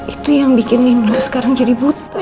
itu yang bikin indra sekarang jadi buta